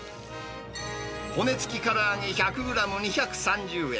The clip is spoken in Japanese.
骨付きからあげ１００グラム２３０円。